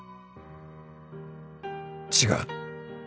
違う